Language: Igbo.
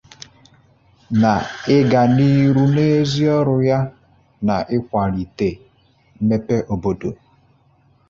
N'ịga n'ihu n'ezi ọrụ ya n'ịkwàlitè mmepe obodo